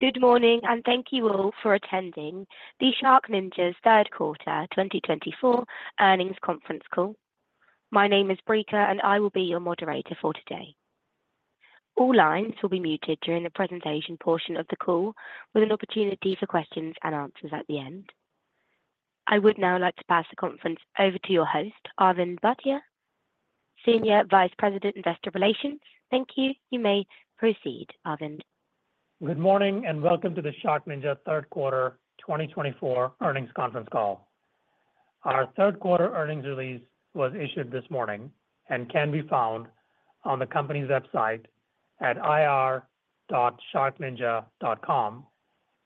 Good morning, and thank you all for attending the SharkNinja's Third Quarter 2024 Earnings Conference Call. My name is Brika, and I will be your moderator for today. All lines will be muted during the presentation portion of the call, with an opportunity for questions and answers at the end. I would now like to pass the conference over to your host, Arvind Bhatia, Senior Vice President, Investor Relations. Thank you. You may proceed, Arvind. Good morning, and welcome to the SharkNinja Third Quarter 2024 Earnings Conference Call. Our Third Quarter earnings release was issued this morning and can be found on the company's website at ir.sharkninja.com.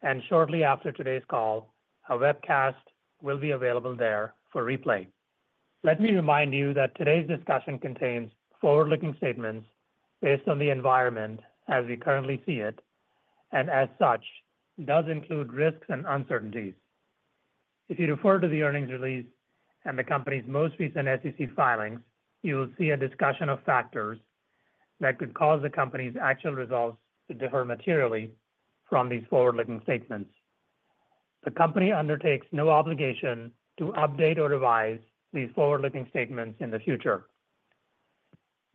And shortly after today's call, a webcast will be available there for replay. Let me remind you that today's discussion contains forward-looking statements based on the environment as we currently see it, and as such, does include risks and uncertainties. If you refer to the earnings release and the company's most recent SEC filings, you will see a discussion of factors that could cause the company's actual results to differ materially from these forward-looking statements. The company undertakes no obligation to update or revise these forward-looking statements in the future.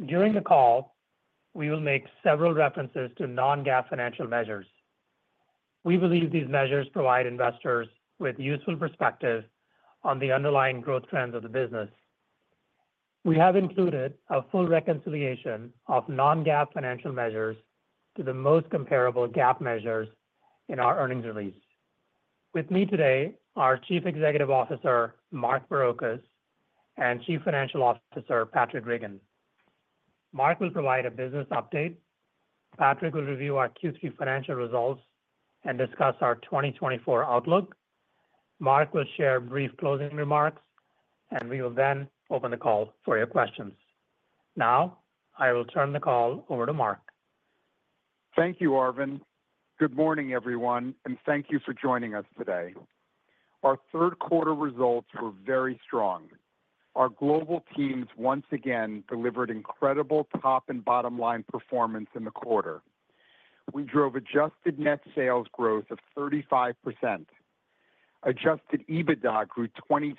During the call, we will make several references to non-GAAP financial measures. We believe these measures provide investors with useful perspective on the underlying growth trends of the business. We have included a full reconciliation of non-GAAP financial measures to the most comparable GAAP measures in our earnings release. With me today are Chief Executive Officer Mark Barrocas and Chief Financial Officer Patraic Reagan. Mark will provide a business update. Patraic will review our Q3 financial results and discuss our 2024 outlook. Mark will share brief closing remarks, and we will then open the call for your questions. Now, I will turn the call over to Mark. Thank you, Arvind. Good morning, everyone, and thank you for joining us today. Our third quarter results were very strong. Our global teams once again delivered incredible top and bottom-line performance in the quarter. We drove adjusted net sales growth of 35%. Adjusted EBITDA grew 26%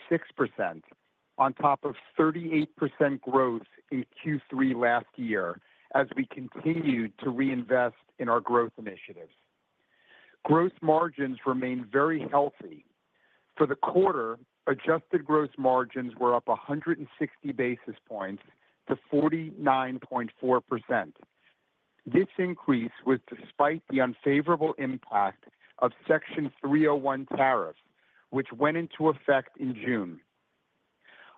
on top of 38% growth in Q3 last year as we continued to reinvest in our growth initiatives. Gross margins remained very healthy. For the quarter, adjusted gross margins were up 160 basis points to 49.4%. This increase was despite the unfavorable impact of Section 301 tariffs, which went into effect in June.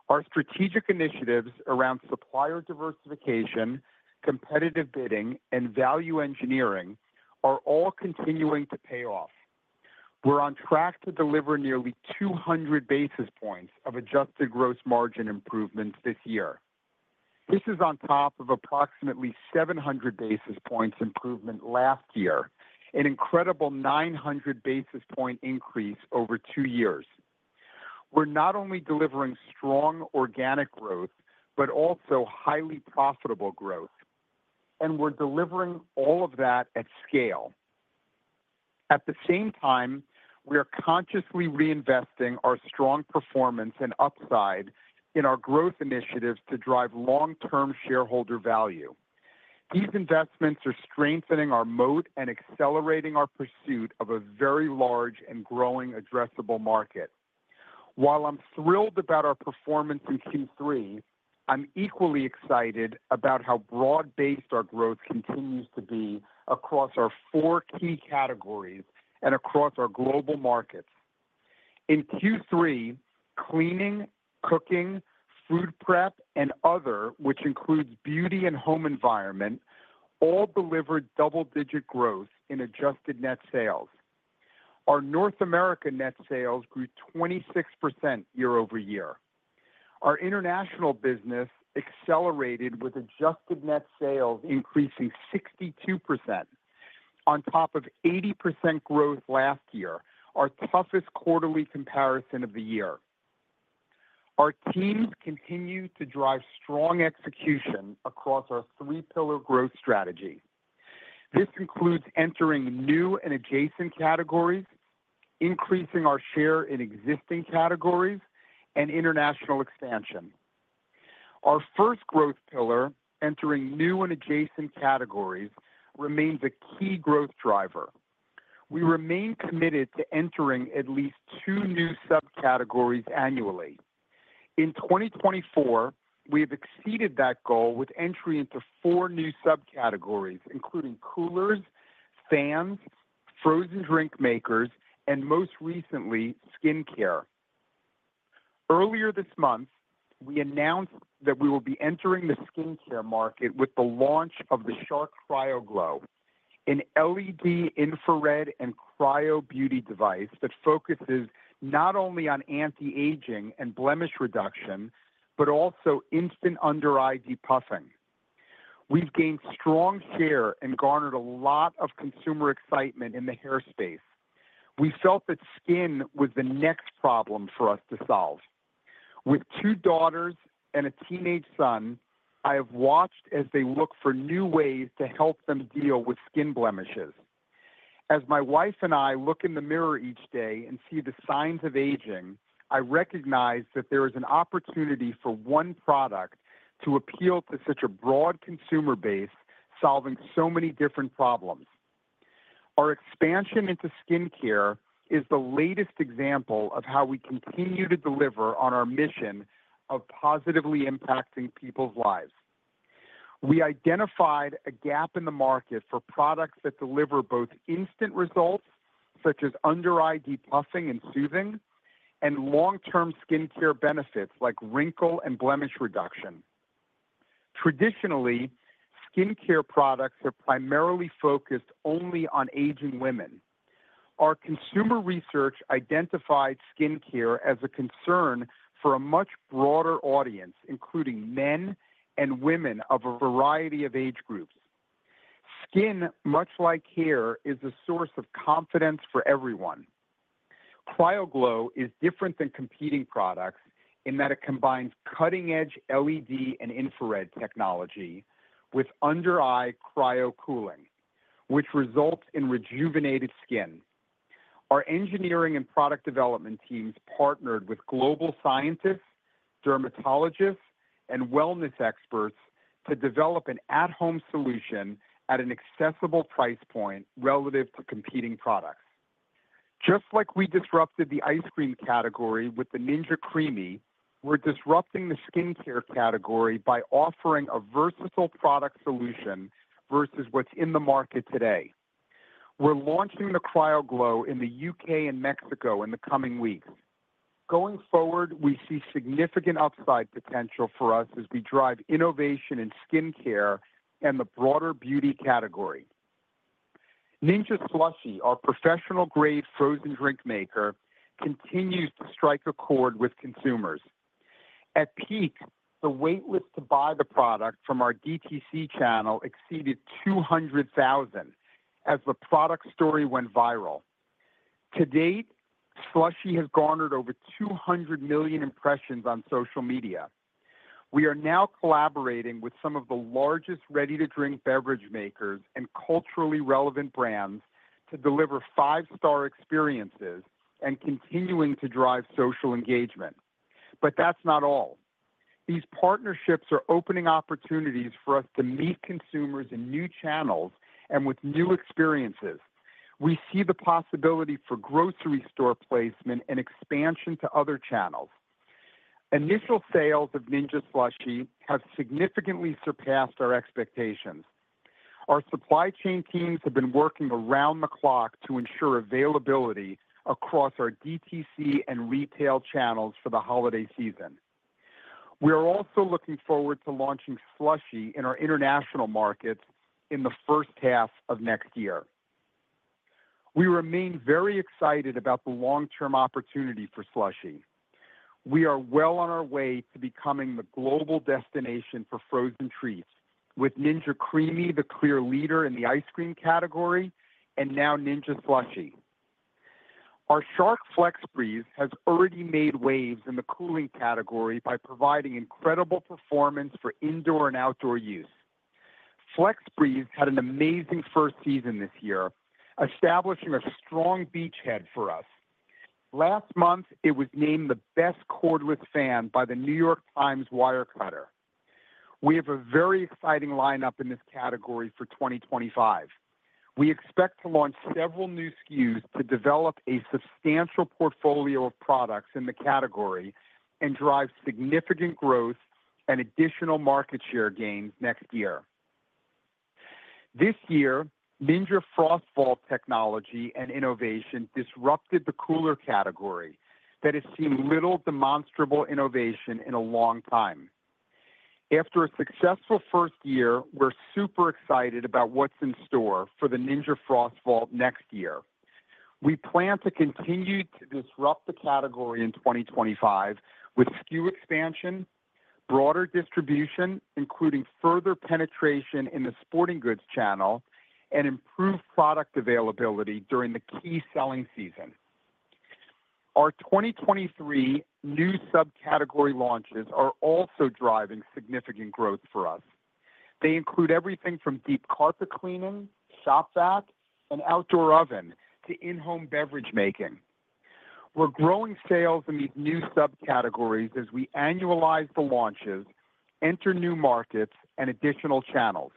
Our strategic initiatives around supplier diversification, competitive bidding, and value engineering are all continuing to pay off. We're on track to deliver nearly 200 basis points of adjusted gross margin improvements this year. This is on top of approximately 700 basis points improvement last year, an incredible 900 basis points increase over two years. We're not only delivering strong organic growth, but also highly profitable growth. And we're delivering all of that at scale. At the same time, we are consciously reinvesting our strong performance and upside in our growth initiatives to drive long-term shareholder value. These investments are strengthening our moat and accelerating our pursuit of a very large and growing addressable market. While I'm thrilled about our performance in Q3, I'm equally excited about how broad-based our growth continues to be across our four key categories and across our global markets. In Q3, cleaning, cooking, food prep, and other, which includes beauty and home environment, all delivered double-digit growth in adjusted net sales. Our North America net sales grew 26% year-over-year. Our international business accelerated with adjusted net sales increasing 62% on top of 80% growth last year, our toughest quarterly comparison of the year. Our teams continue to drive strong execution across our three-pillar growth strategy. This includes entering new and adjacent categories, increasing our share in existing categories, and international expansion. Our first growth pillar, entering new and adjacent categories, remains a key growth driver. We remain committed to entering at least two new subcategories annually. In 2024, we have exceeded that goal with entry into four new subcategories, including coolers, fans, frozen drink makers, and most recently, skincare. Earlier this month, we announced that we will be entering the skincare market with the launch of the Shark CryoGlow, an LED infrared and cryo beauty device that focuses not only on anti-aging and blemish reduction, but also instant under-eye depuffing. We've gained strong share and garnered a lot of consumer excitement in the hair space. We felt that skin was the next problem for us to solve. With two daughters and a teenage son, I have watched as they look for new ways to help them deal with skin blemishes. As my wife and I look in the mirror each day and see the signs of aging, I recognize that there is an opportunity for one product to appeal to such a broad consumer base, solving so many different problems. Our expansion into skincare is the latest example of how we continue to deliver on our mission of positively impacting people's lives. We identified a gap in the market for products that deliver both instant results, such as under-eye depuffing and soothing, and long-term skincare benefits like wrinkle and blemish reduction. Traditionally, skincare products are primarily focused only on aging women. Our consumer research identified skincare as a concern for a much broader audience, including men and women of a variety of age groups. Skin, much like hair, is a source of confidence for everyone. CryoGlow is different than competing products in that it combines cutting-edge LED and infrared technology with under-eye cryo cooling, which results in rejuvenated skin. Our engineering and product development teams partnered with global scientists, dermatologists, and wellness experts to develop an at-home solution at an accessible price point relative to competing products. Just like we disrupted the ice cream category with the Ninja CREAMi, we're disrupting the skincare category by offering a versatile product solution versus what's in the market today. We're launching the CryoGlow in the U.K. and Mexico in the coming weeks. Going forward, we see significant upside potential for us as we drive innovation in skincare and the broader beauty category. Ninja SLUSHi, our professional-grade frozen drink maker, continues to strike a chord with consumers. At peak, the waitlist to buy the product from our DTC channel exceeded 200,000 as the product story went viral. To date, SLUSHi has garnered over 200 million impressions on social media. We are now collaborating with some of the largest ready-to-drink beverage makers and culturally relevant brands to deliver five-star experiences and continuing to drive social engagement. But that's not all. These partnerships are opening opportunities for us to meet consumers in new channels and with new experiences. We see the possibility for grocery store placement and expansion to other channels. Initial sales of Ninja SLUSHi have significantly surpassed our expectations. Our supply chain teams have been working around the clock to ensure availability across our DTC and retail channels for the holiday season. We are also looking forward to launching SLUSHi in our international markets in the first half of next year. We remain very excited about the long-term opportunity for SLUSHi. We are well on our way to becoming the global destination for frozen treats, with Ninja CREAMi the clear leader in the ice cream category and now Ninja SLUSHi. Our Shark FlexBreeze has already made waves in the cooling category by providing incredible performance for indoor and outdoor use. FlexBreeze had an amazing first season this year, establishing a strong beachhead for us. Last month, it was named the best cordless fan by The New York Times Wirecutter. We have a very exciting lineup in this category for 2025. We expect to launch several new SKUs to develop a substantial portfolio of products in the category and drive significant growth and additional market share gains next year. This year, Ninja FrostVault technology and innovation disrupted the cooler category that has seen little demonstrable innovation in a long time. After a successful first year, we're super excited about what's in store for the Ninja FrostVault next year. We plan to continue to disrupt the category in 2025 with SKU expansion, broader distribution, including further penetration in the sporting goods channel, and improved product availability during the key selling season. Our 2023 new subcategory launches are also driving significant growth for us. They include everything from deep carpet cleaning, [shop vac, and outdoor oven to in-home beverage making. We're growing sales in these new subcategories as we annualize the launches, enter new markets, and additional channels.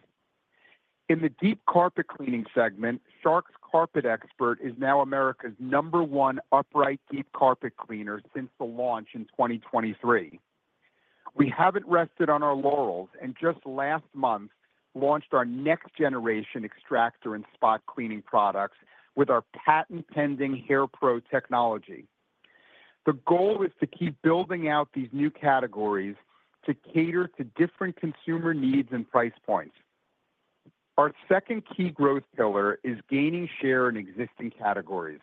In the deep carpet cleaning segment, Shark CarpetXpert is now America's number one upright deep carpet cleaner since the launch in 2023. We haven't rested on our laurels and just last month launched our next generation extractor and spot cleaning products with our patent-pending HairPro technology. The goal is to keep building out these new categories to cater to different consumer needs and price points. Our second key growth pillar is gaining share in existing categories.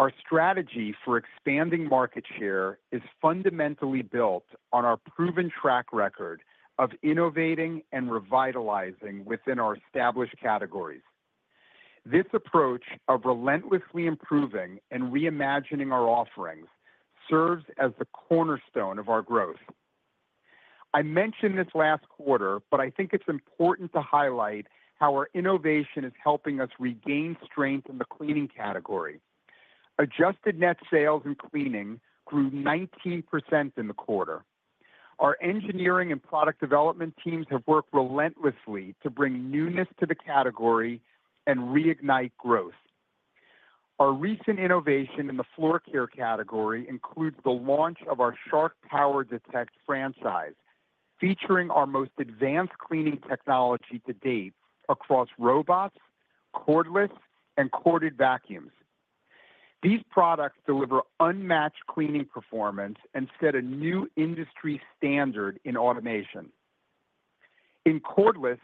Our strategy for expanding market share is fundamentally built on our proven track record of innovating and revitalizing within our established categories. This approach of relentlessly improving and reimagining our offerings serves as the cornerstone of our growth. I mentioned this last quarter, but I think it's important to highlight how our innovation is helping us regain strength in the cleaning category. Adjusted net sales in cleaning grew 19% in the quarter. Our engineering and product development teams have worked relentlessly to bring newness to the category and reignite growth. Our recent innovation in the floor care category includes the launch of our Shark PowerDetect franchise, featuring our most advanced cleaning technology to date across robots, cordless, and corded vacuums. These products deliver unmatched cleaning performance and set a new industry standard in automation. In cordless,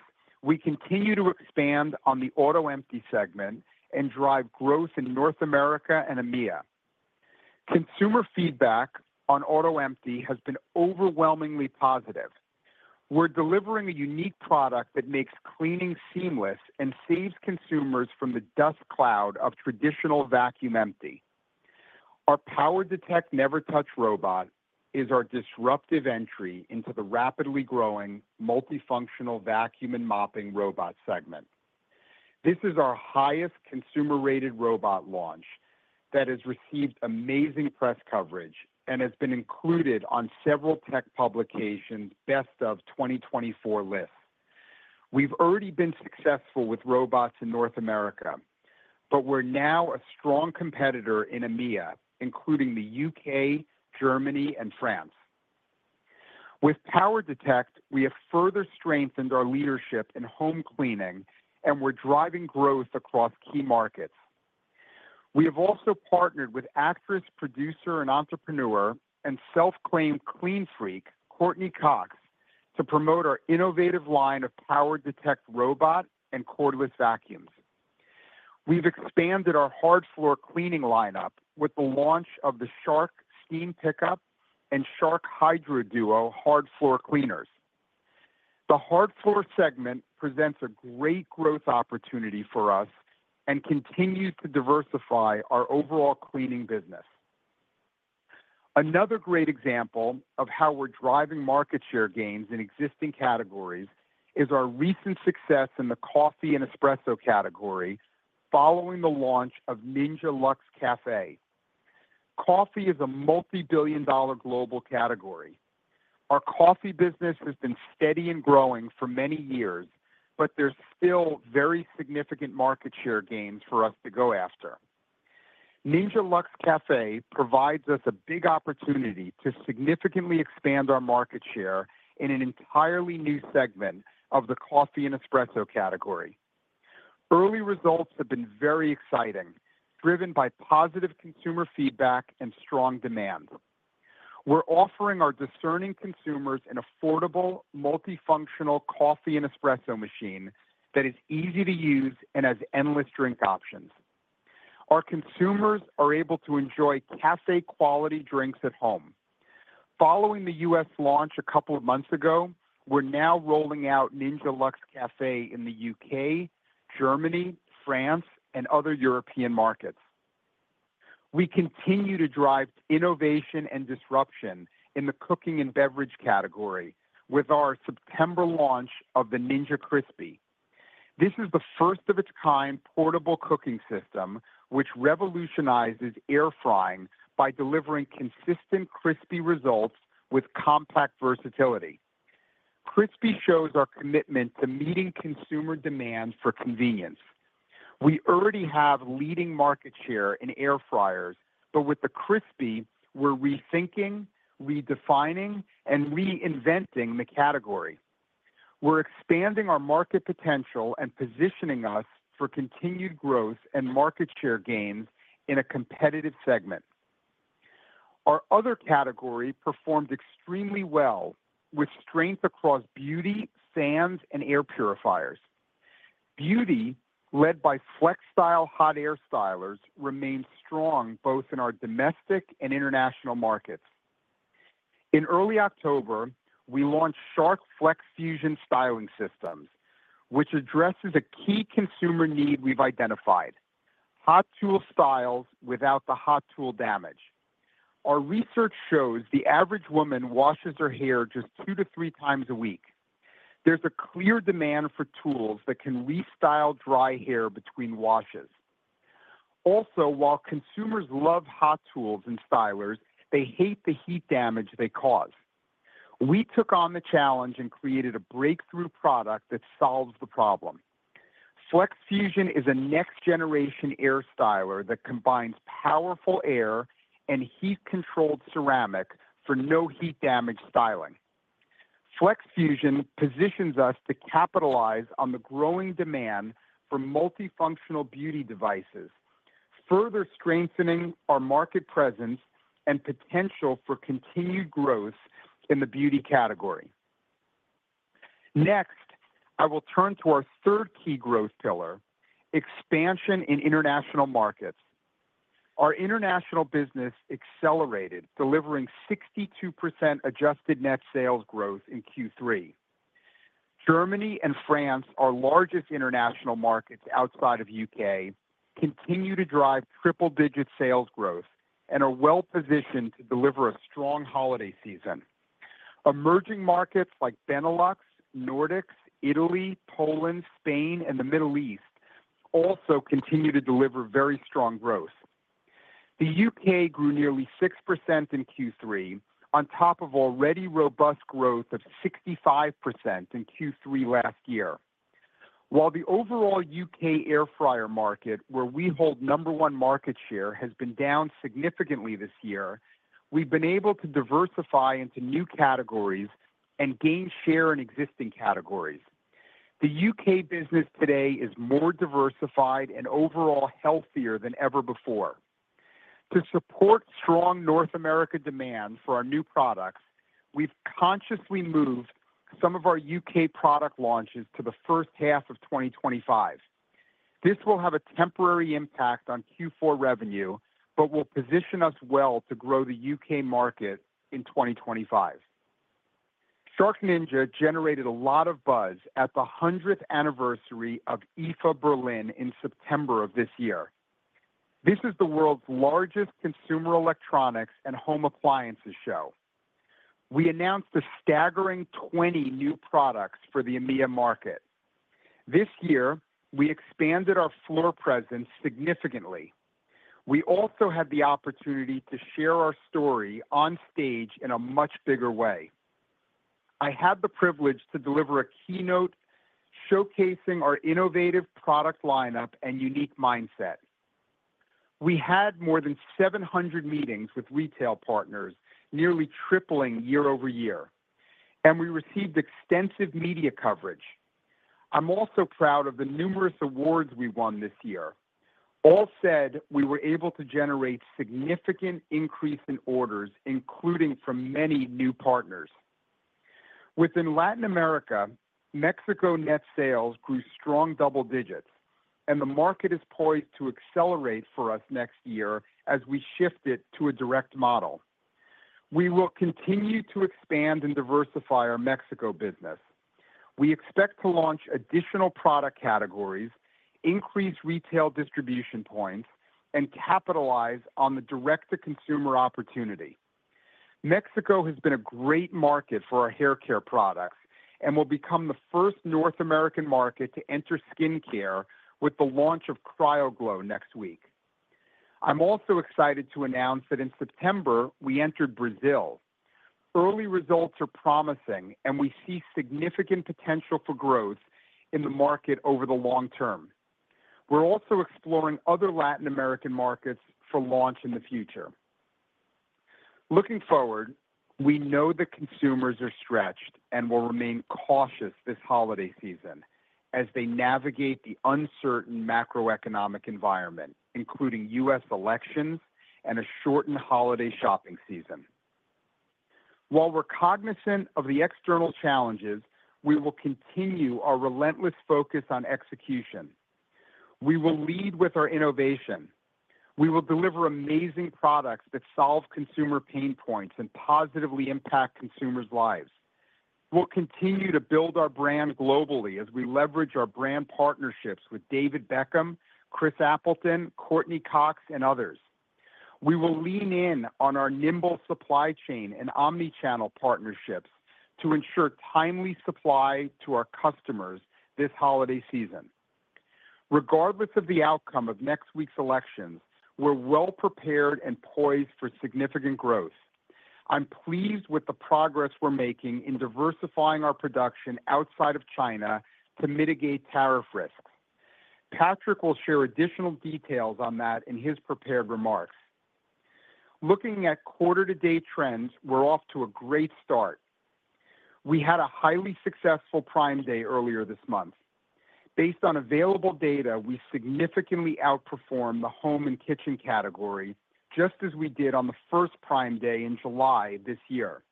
we continue to expand on the auto empty segment and drive growth in North America and EMEA. Consumer feedback on auto empty has been overwhelmingly positive. We're delivering a unique product that makes cleaning seamless and saves consumers from the dust cloud of traditional vacuum empty. Our PowerDetect NeverTouch robot is our disruptive entry into the rapidly growing multifunctional vacuum and mopping robot segment. This is our highest consumer-rated robot launch that has received amazing press coverage and has been included on several tech publications' best of 2024 lists. We've already been successful with robots in North America, but we're now a strong competitor in EMEA, including the U.K., Germany, and France. With PowerDetect, we have further strengthened our leadership in home cleaning, and we're driving growth across key markets. We have also partnered with actress, producer, and entrepreneur, and self-claimed clean freak, Courteney Cox, to promote our innovative line of PowerDetect robot and cordless vacuums. We've expanded our hard floor cleaning lineup with the launch of the Shark Steam Pickup and Shark HydroDuo hard floor cleaners. The hard floor segment presents a great growth opportunity for us and continues to diversify our overall cleaning business. Another great example of how we're driving market share gains in existing categories is our recent success in the coffee and espresso category following the launch of Ninja Luxe Café. Coffee is a multi-billion-dollar global category. Our coffee business has been steady and growing for many years, but there's still very significant market share gains for us to go after. Ninja Luxe Café provides us a big opportunity to significantly expand our market share in an entirely new segment of the coffee and espresso category. Early results have been very exciting, driven by positive consumer feedback and strong demand. We're offering our discerning consumers an affordable, multifunctional coffee and espresso machine that is easy to use and has endless drink options. Our consumers are able to enjoy café-quality drinks at home. Following the U.S. launch a couple of months ago, we're now rolling out Ninja Luxe Café in the U.K., Germany, France, and other European markets. We continue to drive innovation and disruption in the cooking and beverage category with our September launch of the Ninja CRISPi. This is the first-of-its-kind portable cooking system, which revolutionizes air frying by delivering consistent crispy results with compact versatility. CRISPi shows our commitment to meeting consumer demand for convenience. We already have leading market share in air fryers, but with the CRISPi, we're rethinking, redefining, and reinventing the category. We're expanding our market potential and positioning us for continued growth and market share gains in a competitive segment. Our other category performed extremely well, with strength across beauty, fans, and air purifiers. Beauty, led by FlexStyle hot air stylers, remains strong both in our domestic and international markets. In early October, we launched Shark FlexFusion styling systems, which addresses a key consumer need we've identified: hot tool styles without the hot tool damage. Our research shows the average woman washes her hair just two to three times a week. There's a clear demand for tools that can restyle dry hair between washes. Also, while consumers love hot tools and stylers, they hate the heat damage they cause. We took on the challenge and created a breakthrough product that solves the problem. FlexFusion is a next-generation air styler that combines powerful air and heat-controlled ceramic for no heat damage styling. FlexFusion positions us to capitalize on the growing demand for multifunctional beauty devices, further strengthening our market presence and potential for continued growth in the beauty category. Next, I will turn to our third key growth pillar: expansion in international markets. Our international business accelerated, delivering 62% adjusted net sales growth in Q3. Germany and France, our largest international markets outside of the U.K., continue to drive triple-digit sales growth and are well-positioned to deliver a strong holiday season. Emerging markets like Benelux, Nordics, Italy, Poland, Spain, and the Middle East also continue to deliver very strong growth. The U.K. grew nearly 6% in Q3, on top of already robust growth of 65% in Q3 last year. While the overall U.K. air fryer market, where we hold number one market share, has been down significantly this year, we've been able to diversify into new categories and gain share in existing categories. The U.K. business today is more diversified and overall healthier than ever before. To support strong North America demand for our new products, we've consciously moved some of our U.K. product launches to the first half of 2025. This will have a temporary impact on Q4 revenue, but will position us well to grow the U.K. market in 2025. SharkNinja generated a lot of buzz at the 100th anniversary of IFA Berlin in September of this year. This is the world's largest consumer electronics and home appliances show. We announced a staggering 20 new products for the EMEA market. This year, we expanded our floor presence significantly. We also had the opportunity to share our story on stage in a much bigger way. I had the privilege to deliver a keynote showcasing our innovative product lineup and unique mindset. We had more than 700 meetings with retail partners, nearly tripling year-over-year, and we received extensive media coverage. I'm also proud of the numerous awards we won this year. All said, we were able to generate significant increases in orders, including from many new partners. Within Latin America, Mexico net sales grew strong double digits, and the market is poised to accelerate for us next year as we shift it to a direct model. We will continue to expand and diversify our Mexico business. We expect to launch additional product categories, increase retail distribution points, and capitalize on the direct-to-consumer opportunity. Mexico has been a great market for our hair care products and will become the first North American market to enter skincare with the launch of CryoGlow next week. I'm also excited to announce that in September, we entered Brazil. Early results are promising, and we see significant potential for growth in the market over the long term. We're also exploring other Latin American markets for launch in the future. Looking forward, we know that consumers are stretched and will remain cautious this holiday season as they navigate the uncertain macroeconomic environment, including U.S. elections and a shortened holiday shopping season. While we're cognizant of the external challenges, we will continue our relentless focus on execution. We will lead with our innovation. We will deliver amazing products that solve consumer pain points and positively impact consumers' lives. We'll continue to build our brand globally as we leverage our brand partnerships with David Beckham, Chris Appleton, Courteney Cox, and others. We will lean in on our nimble supply chain and omnichannel partnerships to ensure timely supply to our customers this holiday season. Regardless of the outcome of next week's elections, we're well-prepared and poised for significant growth. I'm pleased with the progress we're making in diversifying our production outside of China to mitigate tariff risks. Patraic will share additional details on that in his prepared remarks. Looking at quarter-to-date trends, we're off to a great start. We had a highly successful Prime Day earlier this month. Based on available data, we significantly outperformed the home and kitchen category, just as we did on the first Prime Day in July this year.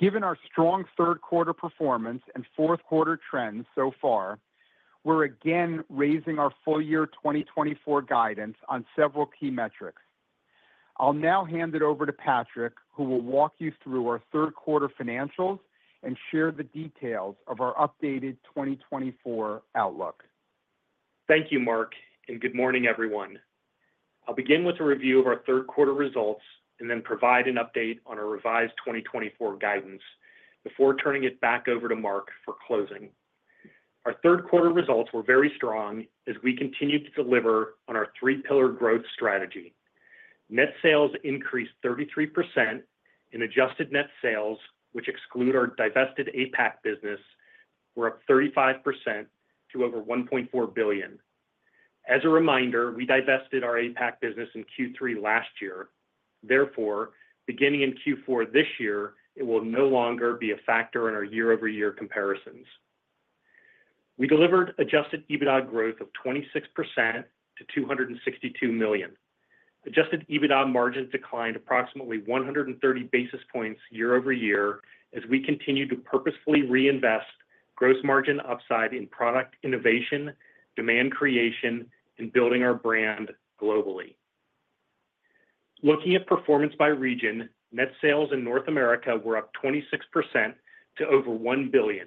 Given our strong third-quarter performance and fourth-quarter trends so far, we're again raising our full-year 2024 guidance on several key metrics. I'll now hand it over to Patraic, who will walk you through our third-quarter financials and share the details of our updated 2024 outlook. Thank you, Mark, and good morning, everyone. I'll begin with a review of our third-quarter results and then provide an update on our revised 2024 guidance before turning it back over to Mark for closing. Our third-quarter results were very strong as we continued to deliver on our three-pillar growth strategy. Net sales increased 33%, and adjusted net sales, which exclude our divested APAC business, were up 35% to over $1.4 billion. As a reminder, we divested our APAC business in Q3 last year. Therefore, beginning in Q4 this year, it will no longer be a factor in our year-over-year comparisons. We delivered adjusted EBITDA growth of 26% to $262 million. Adjusted EBITDA margins declined approximately 130 basis points year-over-year as we continue to purposefully reinvest gross margin upside in product innovation, demand creation, and building our brand globally. Looking at performance by region, net sales in North America were up 26% to over $1 billion,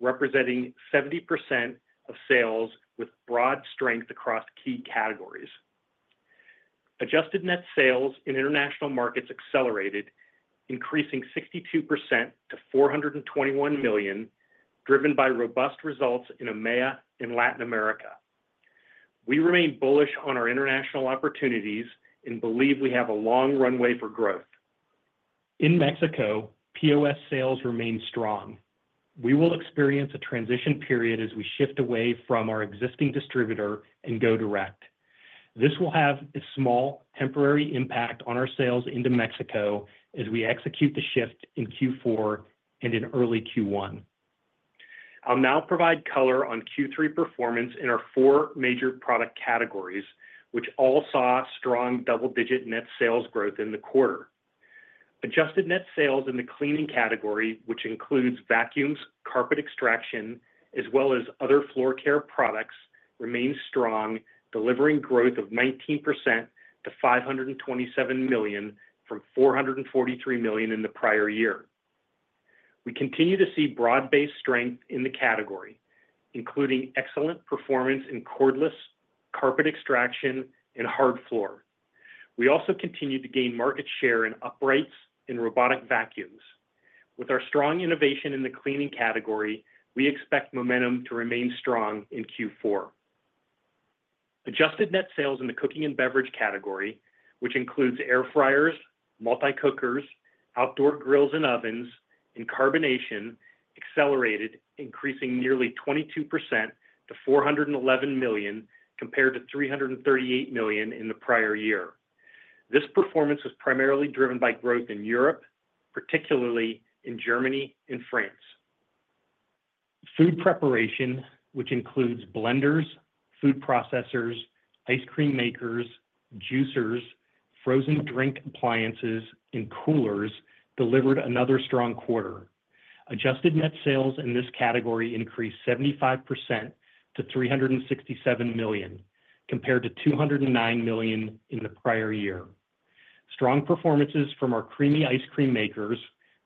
representing 70% of sales with broad strength across key categories. Adjusted net sales in international markets accelerated, increasing 62% to $421 million, driven by robust results in EMEA and Latin America. We remain bullish on our international opportunities and believe we have a long runway for growth. In Mexico, POS sales remain strong. We will experience a transition period as we shift away from our existing distributor and go direct. This will have a small temporary impact on our sales into Mexico as we execute the shift in Q4 and in early Q1. I'll now provide color on Q3 performance in our four major product categories, which all saw strong double-digit net sales growth in the quarter. Adjusted net sales in the cleaning category, which includes vacuums, carpet extraction, as well as other floor care products, remained strong, delivering growth of 19% to $527 million from $443 million in the prior year. We continue to see broad-based strength in the category, including excellent performance in cordless carpet extraction and hard floor. We also continue to gain market share in uprights and robotic vacuums. With our strong innovation in the cleaning category, we expect momentum to remain strong in Q4. Adjusted net sales in the cooking and beverage category, which includes air fryers, multi-cookers, outdoor grills and ovens, and carbonation, accelerated, increasing nearly 22% to $411 million compared to $338 million in the prior year. This performance was primarily driven by growth in Europe, particularly in Germany and France. Food preparation, which includes blenders, food processors, ice cream makers, juicers, frozen drink appliances, and coolers, delivered another strong quarter. Adjusted net sales in this category increased 75% to $367 million, compared to $209 million in the prior year. Strong performances from our CREAMi ice cream makers,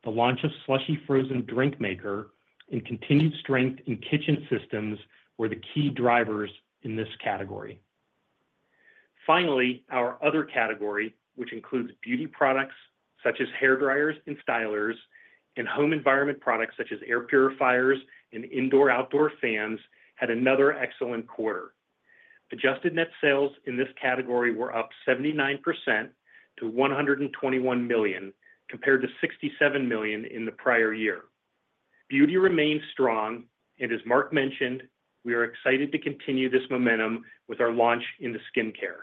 the launch of SLUSHi frozen drink maker, and continued strength in kitchen systems were the key drivers in this category. Finally, our other category, which includes beauty products such as hair dryers and stylers, and home environment products such as air purifiers and indoor-outdoor fans, had another excellent quarter. Adjusted net sales in this category were up 79% to $121 million, compared to $67 million in the prior year. Beauty remained strong, and as Mark mentioned, we are excited to continue this momentum with our launch into skincare.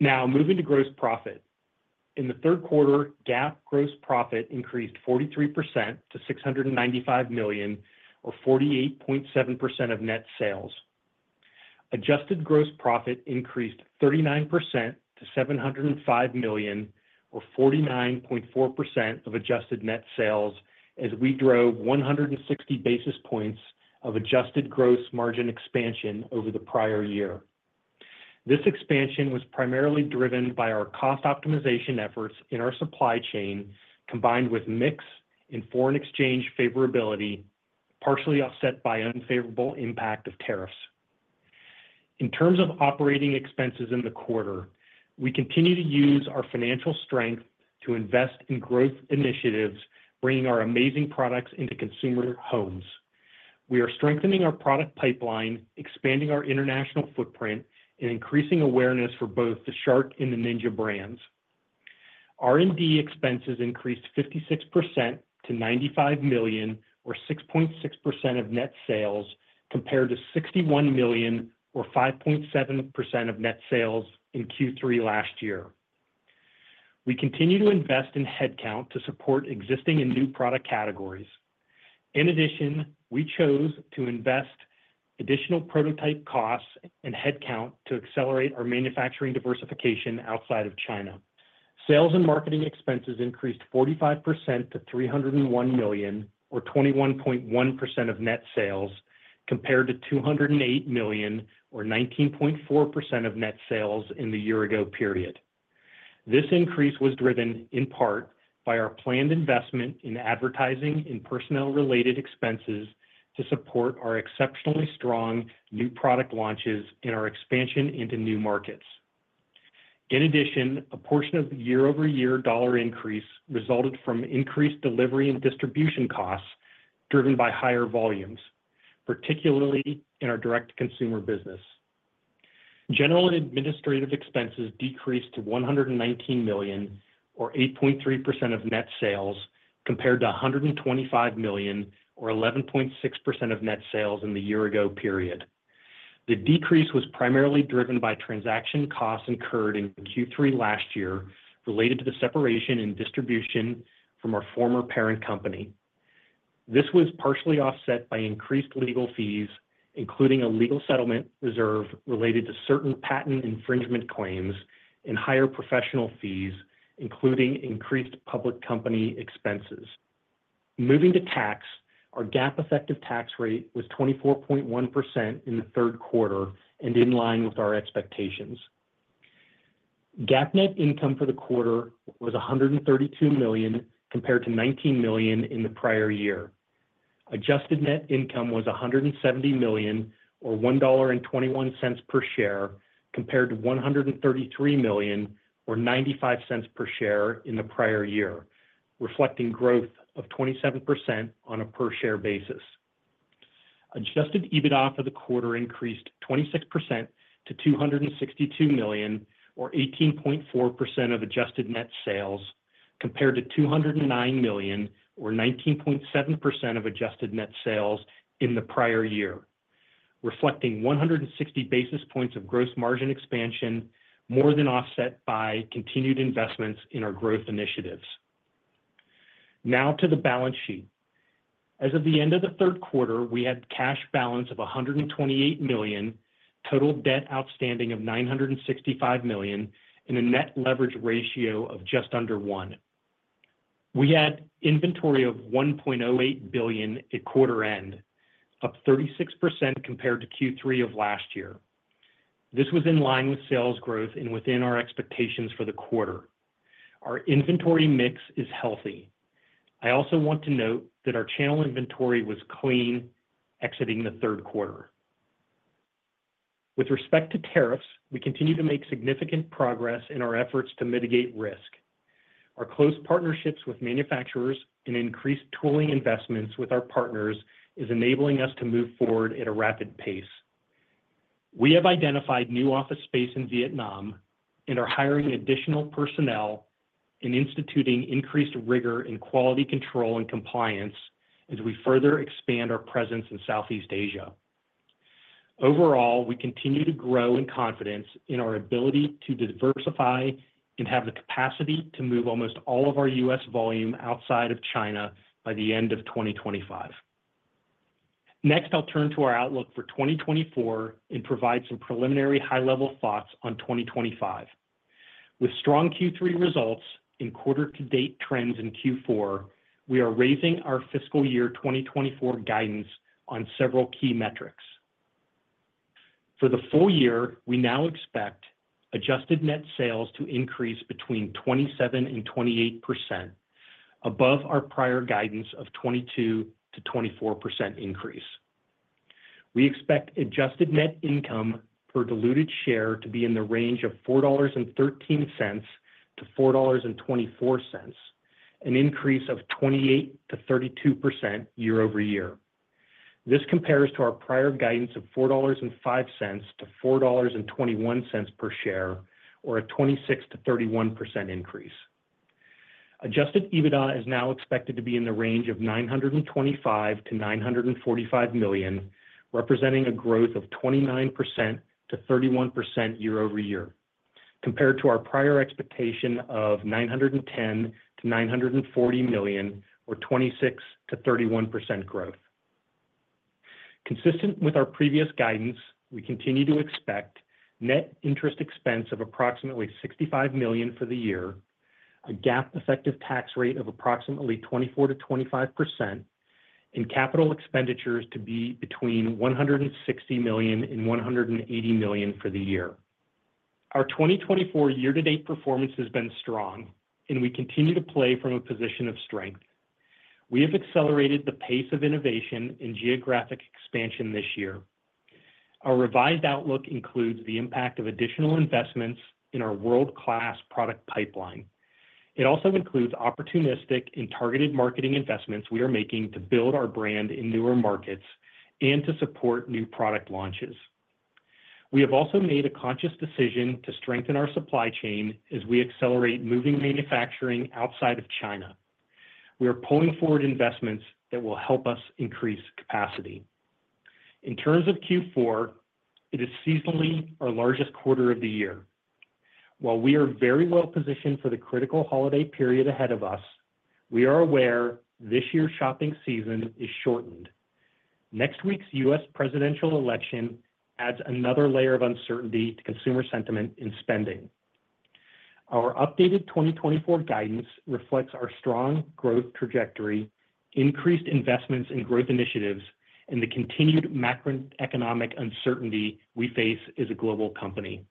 Now, moving to gross profit. In the third quarter, GAAP gross profit increased 43% to $695 million, or 48.7% of net sales. Adjusted gross profit increased 39% to $705 million, or 49.4% of adjusted net sales, as we drove 160 basis points of adjusted gross margin expansion over the prior year. This expansion was primarily driven by our cost optimization efforts in our supply chain, combined with mix and foreign exchange favorability, partially offset by unfavorable impact of tariffs. In terms of operating expenses in the quarter, we continue to use our financial strength to invest in growth initiatives, bringing our amazing products into consumer homes. We are strengthening our product pipeline, expanding our international footprint, and increasing awareness for both the Shark and the Ninja brands. R&D expenses increased 56% to $95 million, or 6.6% of net sales, compared to $61 million, or 5.7% of net sales in Q3 last year. We continue to invest in headcount to support existing and new product categories. In addition, we chose to invest additional prototype costs and headcount to accelerate our manufacturing diversification outside of China. Sales and marketing expenses increased 45% to $301 million, or 21.1% of net sales, compared to $208 million, or 19.4% of net sales in the year-ago period. This increase was driven, in part, by our planned investment in advertising and personnel-related expenses to support our exceptionally strong new product launches and our expansion into new markets. In addition, a portion of the year-over-year dollar increase resulted from increased delivery and distribution costs driven by higher volumes, particularly in our direct-to-consumer business. General and administrative expenses decreased to $119 million, or 8.3% of net sales, compared to $125 million, or 11.6% of net sales in the year-ago period. The decrease was primarily driven by transaction costs incurred in Q3 last year related to the separation and distribution from our former parent company. This was partially offset by increased legal fees, including a legal settlement reserve related to certain patent infringement claims and higher professional fees, including increased public company expenses. Moving to tax, our GAAP effective tax rate was 24.1% in the third quarter and in line with our expectations. GAAP net income for the quarter was $132 million, compared to $19 million in the prior year. Adjusted net income was $170 million, or $1.21 per share, compared to $133 million, or $0.95 per share in the prior year, reflecting growth of 27% on a per-share basis. Adjusted EBITDA for the quarter increased 26% to $262 million, or 18.4% of adjusted net sales, compared to $209 million, or 19.7% of adjusted net sales in the prior year, reflecting 160 basis points of gross margin expansion, more than offset by continued investments in our growth initiatives. Now to the balance sheet. As of the end of the third quarter, we had a cash balance of $128 million, total debt outstanding of $965 million, and a net leverage ratio of just under one. We had inventory of $1.08 billion at quarter-end, up 36% compared to Q3 of last year. This was in line with sales growth and within our expectations for the quarter. Our inventory mix is healthy. I also want to note that our channel inventory was clean exiting the third quarter. With respect to tariffs, we continue to make significant progress in our efforts to mitigate risk. Our close partnerships with manufacturers and increased tooling investments with our partners are enabling us to move forward at a rapid pace. We have identified new office space in Vietnam and are hiring additional personnel and instituting increased rigor in quality control and compliance as we further expand our presence in Southeast Asia. Overall, we continue to grow in confidence in our ability to diversify and have the capacity to move almost all of our U.S. volume outside of China by the end of 2025. Next, I'll turn to our outlook for 2024 and provide some preliminary high-level thoughts on 2025. With strong Q3 results and quarter-to-date trends in Q4, we are raising our fiscal year 2024 guidance on several key metrics. For the full year, we now expect adjusted net sales to increase between 27% and 28%, above our prior guidance of 22% to 24% increase. We expect adjusted net income per diluted share to be in the range of $4.13 to $4.24, an increase of 28% to 32% year-over-year. This compares to our prior guidance of $4.05 to $4.21 per share, or a 26% to 31% increase. Adjusted EBITDA is now expected to be in the range of $925 million-$945 million, representing a growth of 29%-31% year-over-year, compared to our prior expectation of $910 million-$940 million, or 26%-31% growth. Consistent with our previous guidance, we continue to expect net interest expense of approximately $65 million for the year, a GAAP effective tax rate of approximately 24%-25%, and capital expenditures to be between $160 million and $180 million for the year. Our 2024 year-to-date performance has been strong, and we continue to play from a position of strength. We have accelerated the pace of innovation and geographic expansion this year. Our revised outlook includes the impact of additional investments in our world-class product pipeline. It also includes opportunistic and targeted marketing investments we are making to build our brand in newer markets and to support new product launches. We have also made a conscious decision to strengthen our supply chain as we accelerate moving manufacturing outside of China. We are pulling forward investments that will help us increase capacity. In terms of Q4, it is seasonally our largest quarter of the year. While we are very well positioned for the critical holiday period ahead of us, we are aware this year's shopping season is shortened. Next week's U.S. presidential election adds another layer of uncertainty to consumer sentiment and spending. Our updated 2024 guidance reflects our strong growth trajectory, increased investments in growth initiatives, and the continued macroeconomic uncertainty we face as a global company.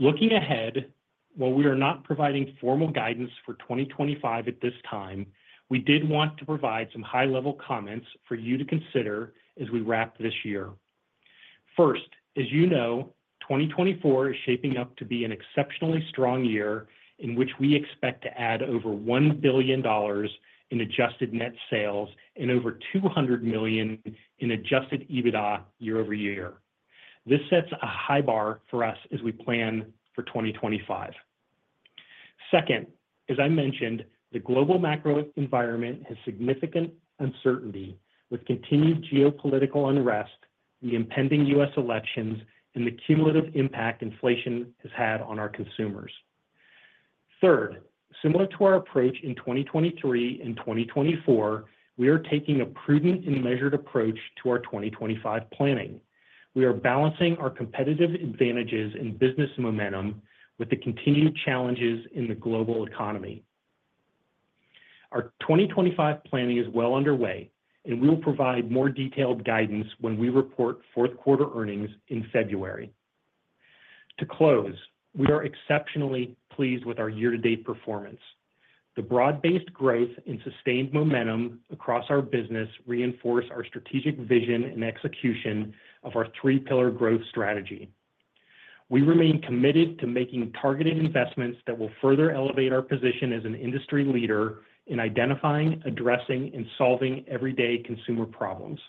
Looking ahead, while we are not providing formal guidance for 2025 at this time, we did want to provide some high-level comments for you to consider as we wrap this year. First, as you know, 2024 is shaping up to be an exceptionally strong year in which we expect to add over $1 billion in adjusted net sales and over $200 million in adjusted EBITDA year-over-year. This sets a high bar for us as we plan for 2025. Second, as I mentioned, the global macro environment has significant uncertainty with continued geopolitical unrest, the impending U.S. elections, and the cumulative impact inflation has had on our consumers. Third, similar to our approach in 2023 and 2024, we are taking a prudent and measured approach to our 2025 planning. We are balancing our competitive advantages and business momentum with the continued challenges in the global economy. Our 2025 planning is well underway, and we will provide more detailed guidance when we report fourth-quarter earnings in February. To close, we are exceptionally pleased with our year-to-date performance. The broad-based growth and sustained momentum across our business reinforce our strategic vision and execution of our three-pillar growth strategy. We remain committed to making targeted investments that will further elevate our position as an industry leader in identifying, addressing, and solving everyday consumer problems.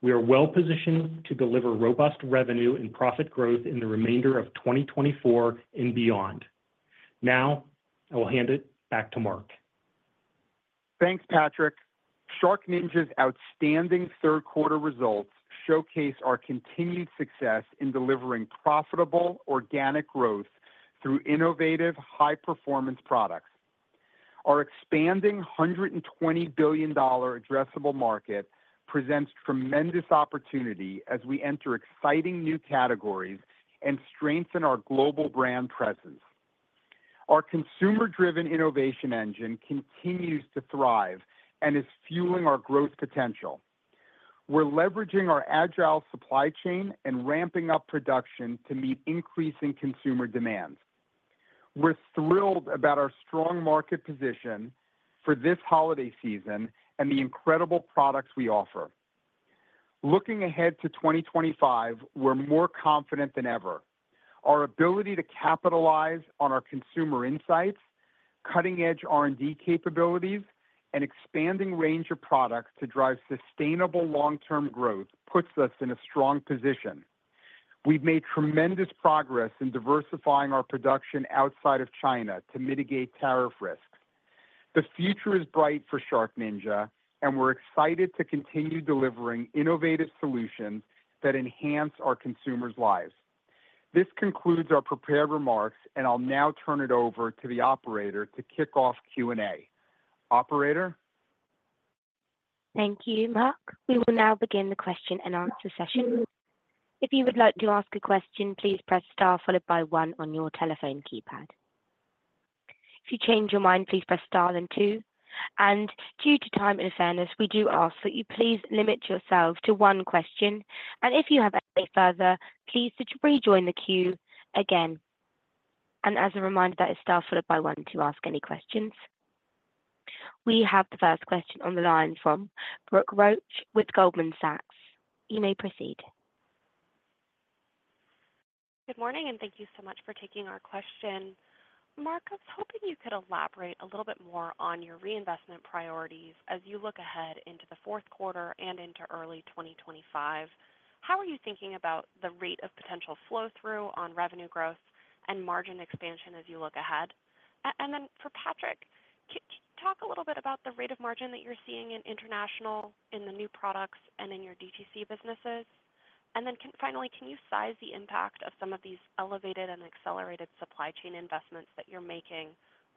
We are well positioned to deliver robust revenue and profit growth in the remainder of 2024 and beyond. Now, I will hand it back to Mark. Thanks, Patraic. SharkNinja's outstanding third-quarter results showcase our continued success in delivering profitable organic growth through innovative, high-performance products. Our expanding $120 billion addressable market presents tremendous opportunity as we enter exciting new categories and strengthen our global brand presence. Our consumer-driven innovation engine continues to thrive and is fueling our growth potential. We're leveraging our agile supply chain and ramping up production to meet increasing consumer demands. We're thrilled about our strong market position for this holiday season and the incredible products we offer. Looking ahead to 2025, we're more confident than ever. Our ability to capitalize on our consumer insights, cutting-edge R&D capabilities, and expanding range of products to drive sustainable long-term growth puts us in a strong position. We've made tremendous progress in diversifying our production outside of China to mitigate tariff risk. The future is bright for SharkNinja, and we're excited to continue delivering innovative solutions that enhance our consumers' lives. This concludes our prepared remarks, and I'll now turn it over to the operator to kick off Q&A. Operator? Thank you, Mark. We will now begin the question and answer session. If you would like to ask a question, please press star followed by one on your telephone keypad. If you change your mind, please press star then two. Due to time and fairness, we do ask that you please limit yourself to one question. If you have any further, please rejoin the queue again. As a reminder, that is star followed by one to ask any questions. We have the first question on the line from Brooke Roach with Goldman Sachs. You may proceed. Good morning, and thank you so much for taking our question. Mark, I was hoping you could elaborate a little bit more on your reinvestment priorities as you look ahead into the fourth quarter and into early 2025. How are you thinking about the rate of potential flow-through on revenue growth and margin expansion as you look ahead? Then for Patraic, can you talk a little bit about the rate of margin that you're seeing in international, in the new products, and in your DTC businesses? And then finally, can you size the impact of some of these elevated and accelerated supply chain investments that you're making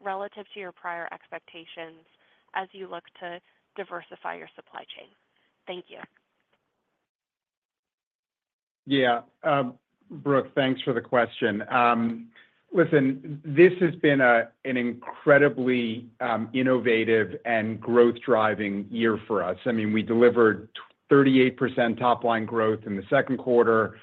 relative to your prior expectations as you look to diversify your supply chain? Thank you. Yeah. Brooke, thanks for the question. Listen, this has been an incredibly innovative and growth-driving year for us. I mean, we delivered 38% top-line growth in the second quarter,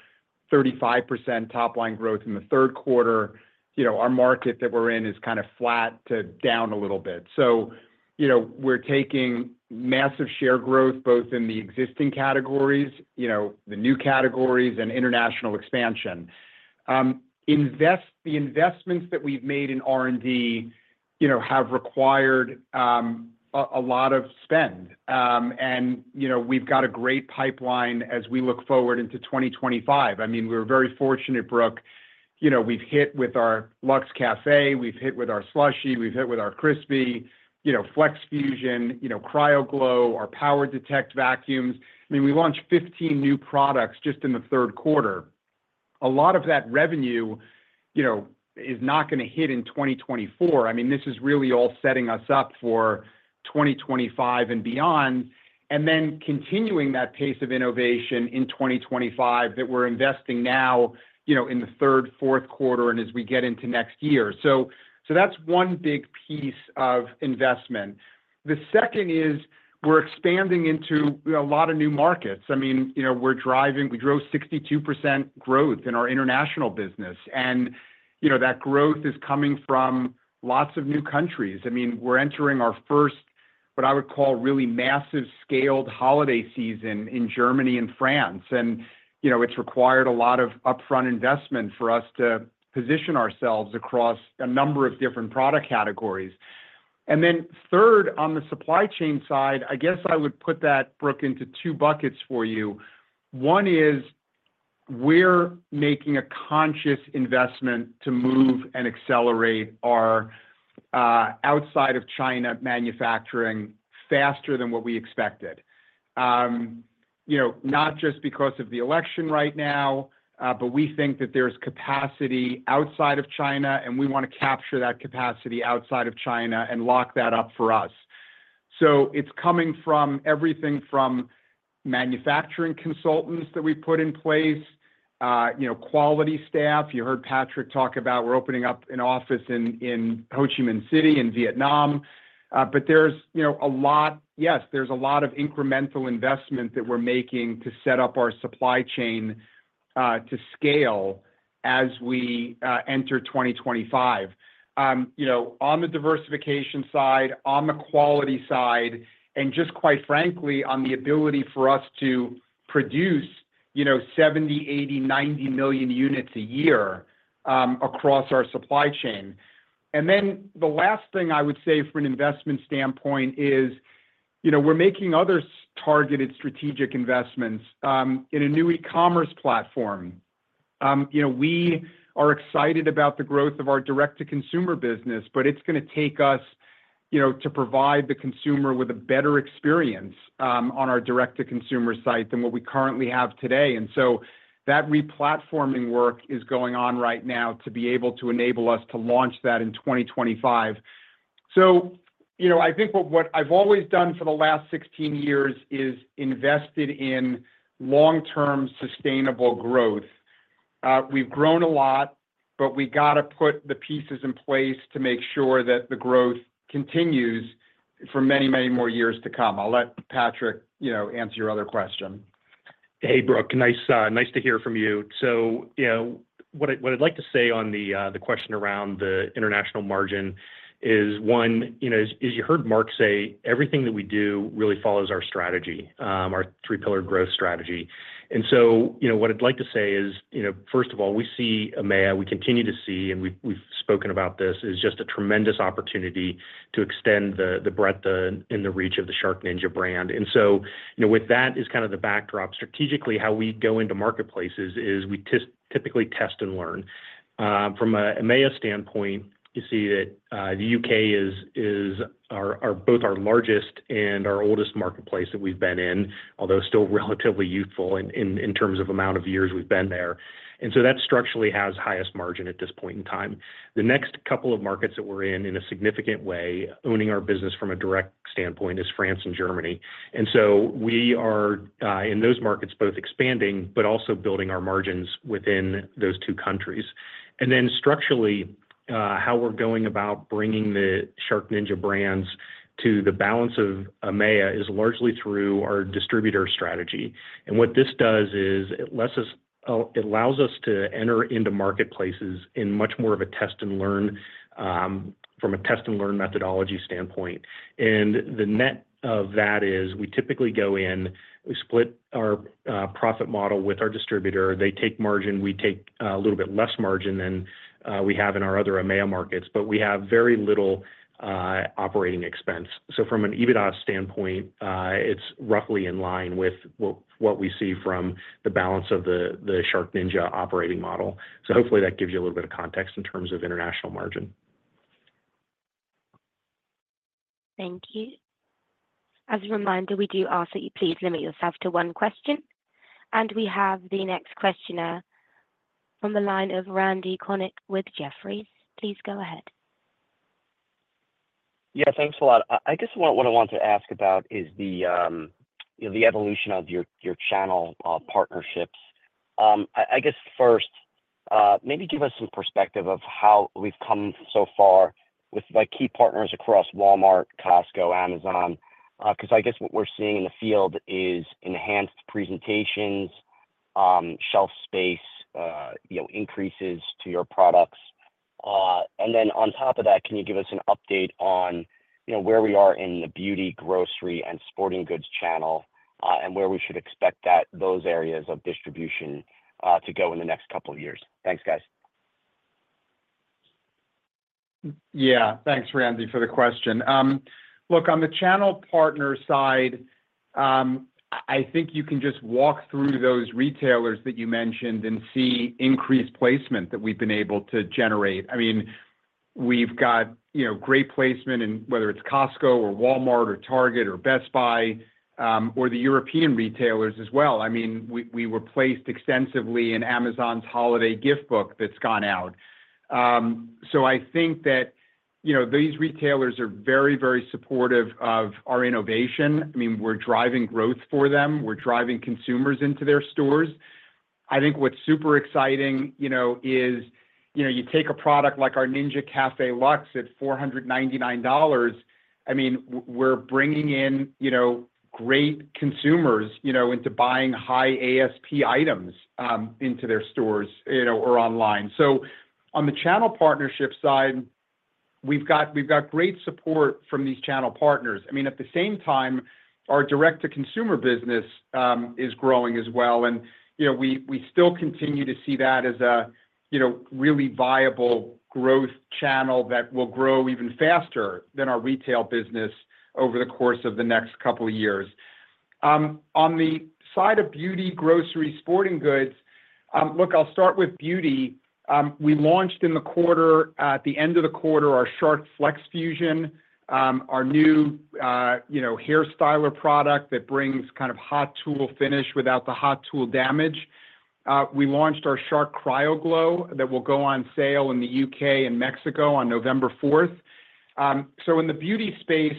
35% top-line growth in the third quarter. Our market that we're in is kind of flat to down a little bit. So we're taking massive share growth both in the existing categories, the new categories, and international expansion. The investments that we've made in R&D have required a lot of spend, and we've got a great pipeline as we look forward into 2025. I mean, we're very fortunate, Brooke. We've hit with our Luxe Café. We've hit with our SLUSHi. We've hit with our CRISPi, FlexFusion, CryoGlow, our PowerDetect vacuums. I mean, we launched 15 new products just in the third quarter. A lot of that revenue is not going to hit in 2024. I mean, this is really all setting us up for 2025 and beyond, and then continuing that pace of innovation in 2025 that we're investing now in the third, fourth quarter, and as we get into next year. So that's one big piece of investment. The second is we're expanding into a lot of new markets. I mean, we drove 62% growth in our international business, and that growth is coming from lots of new countries. I mean, we're entering our first, what I would call, really massive-scaled holiday season in Germany and France, and it's required a lot of upfront investment for us to position ourselves across a number of different product categories. And then third, on the supply chain side, I guess I would put that, Brooke, into two buckets for you. One is we're making a conscious investment to move and accelerate our outside-of-China manufacturing faster than what we expected, not just because of the election right now, but we think that there's capacity outside of China, and we want to capture that capacity outside of China and lock that up for us. So it's coming from everything from manufacturing consultants that we've put in place, quality staff. You heard Patraic talk about we're opening up an office in Ho Chi Minh City in Vietnam, but there's a lot of incremental investment that we're making to set up our supply chain to scale as we enter 2025. On the diversification side, on the quality side, and just quite frankly, on the ability for us to produce 70, 80, 90 million units a year across our supply chain. And then the last thing I would say from an investment standpoint is we're making other targeted strategic investments in a new e-commerce platform. We are excited about the growth of our direct-to-consumer business, but it's going to take us to provide the consumer with a better experience on our direct-to-consumer site than what we currently have today. And so that replatforming work is going on right now to be able to enable us to launch that in 2025. So I think what I've always done for the last 16 years is invested in long-term sustainable growth. We've grown a lot, but we got to put the pieces in place to make sure that the growth continues for many, many more years to come. I'll let Patraic answer your other question. Hey, Brooke. Nice to hear from you. So what I'd like to say on the question around the international margin is, one, as you heard Mark say, everything that we do really follows our strategy, our three-pillar growth strategy. And so what I'd like to say is, first of all, we see EMEA, we continue to see, and we've spoken about this, is just a tremendous opportunity to extend the breadth and the reach of the SharkNinja brand. And so with that as kind of the backdrop, strategically, how we go into marketplaces is we typically test and learn. From an EMEA standpoint, you see that the U.K. is both our largest and our oldest marketplace that we've been in, although still relatively youthful in terms of amount of years we've been there. And so that structurally has highest margin at this point in time. The next couple of markets that we're in, in a significant way, owning our business from a direct standpoint, is France and Germany. And so we are in those markets both expanding but also building our margins within those two countries. And then structurally, how we're going about bringing the SharkNinja brands to the balance of EMEA is largely through our distributor strategy. And what this does is it allows us to enter into marketplaces in much more of a test and learn from a test and learn methodology standpoint. And the net of that is we typically go in, we split our profit model with our distributor. They take margin. We take a little bit less margin than we have in our other EMEA markets, but we have very little operating expense. So from an EBITDA standpoint, it's roughly in line with what we see from the balance of the SharkNinja operating model. So hopefully, that gives you a little bit of context in terms of international margin. Thank you. As a reminder, we do ask that you please limit yourself to one question. And we have the next questioner on the line of Randy Konik with Jefferies. Please go ahead. Yeah. Thanks a lot. I guess what I wanted to ask about is the evolution of your channel partnerships. I guess first, maybe give us some perspective of how we've come so far with key partners across Walmart, Costco, Amazon, because I guess what we're seeing in the field is enhanced presentations, shelf space, increases to your products, and then on top of that, can you give us an update on where we are in the beauty, grocery, and sporting goods channel and where we should expect those areas of distribution to go in the next couple of years? Thanks, guys. Yeah. Thanks, Randy, for the question. Look, on the channel partner side, I think you can just walk through those retailers that you mentioned and see increased placement that we've been able to generate. I mean, we've got great placement in whether it's Costco or Walmart or Target or Best Buy or the European retailers as well. I mean, we were placed extensively in Amazon's holiday gift book that's gone out. So I think that these retailers are very, very supportive of our innovation. I mean, we're driving growth for them. We're driving consumers into their stores. I think what's super exciting is you take a product like our Ninja Luxe Café at $499. I mean, we're bringing in great consumers into buying high ASP items into their stores or online. So on the channel partnership side, we've got great support from these channel partners. I mean, at the same time, our direct-to-consumer business is growing as well, and we still continue to see that as a really viable growth channel that will grow even faster than our retail business over the course of the next couple of years. On the side of beauty, grocery, sporting goods, look, I'll start with beauty. We launched in the quarter, at the end of the quarter, our Shark FlexFusion, our new hair styler product that brings kind of hot tool finish without the hot tool damage. We launched our Shark CryoGlow that will go on sale in the U.K. and Mexico on November 4th. So in the beauty space,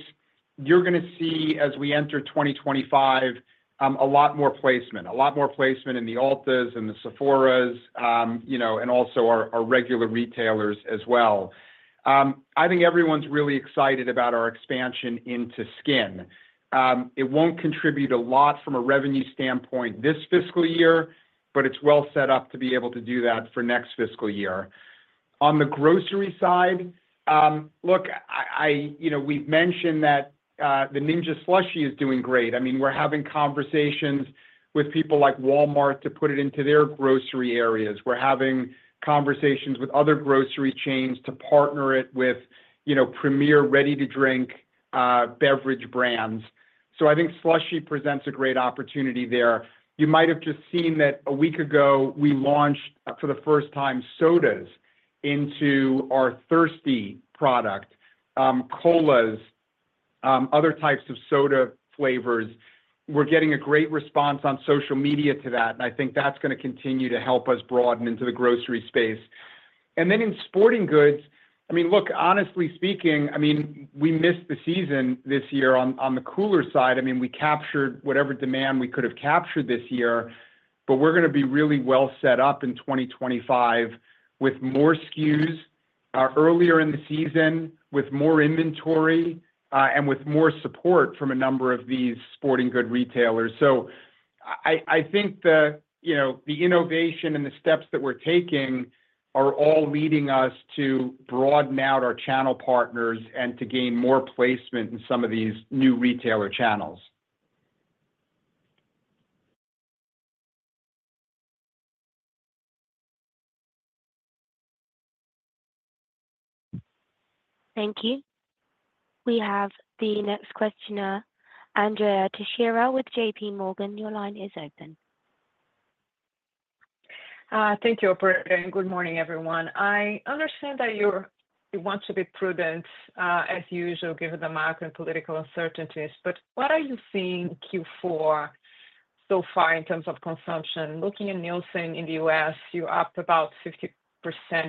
you're going to see, as we enter 2025, a lot more placement, a lot more placement in the Ulta's and the Sephora's and also our regular retailers as well. I think everyone's really excited about our expansion into skin. It won't contribute a lot from a revenue standpoint this fiscal year, but it's well set up to be able to do that for next fiscal year. On the grocery side, look, we've mentioned that the Ninja SLUSHi is doing great. I mean, we're having conversations with people like Walmart to put it into their grocery areas. We're having conversations with other grocery chains to partner it with premier ready-to-drink beverage brands. So I think SLUSHi presents a great opportunity there. You might have just seen that a week ago, we launched for the first time sodas into our Thirsti product, colas, other types of soda flavors. We're getting a great response on social media to that, and I think that's going to continue to help us broaden into the grocery space. And then in sporting goods, I mean, look, honestly speaking, I mean, we missed the season this year on the cooler side. I mean, we captured whatever demand we could have captured this year, but we're going to be really well set up in 2025 with more SKUs earlier in the season, with more inventory, and with more support from a number of these sporting goods retailers. So I think the innovation and the steps that we're taking are all leading us to broaden out our channel partners and to gain more placement in some of these new retailer channels. Thank you. We have the next questioner, Andrea Teixeira with JPMorgan. Your line is open. Thank you, Operator, and good morning, everyone. I understand that you want to be prudent as usual given the macro and political uncertainties, but what are you seeing Q4 so far in terms of consumption? Looking at Nielsen in the U.S., you're up about 50%